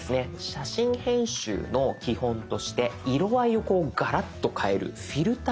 写真編集の基本として色合いをこうガラッと変える「フィルター」。